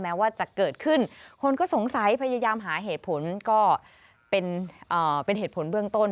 ว่าจะเกิดขึ้นคนก็สงสัยพยายามหาเหตุผลก็เป็นเหตุผลเบื้องต้น